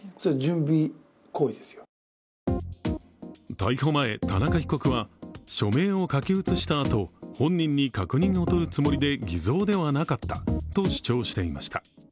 逮捕前、田中被告は署名を書き写したあと本人に確認をとるつもりで偽造ではなかったと主張していました。